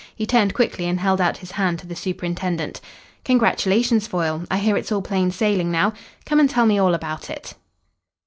He turned quickly and held out his hand to the superintendent. "Congratulations, Foyle. I hear it's all plain sailing now. Come and tell me all about it."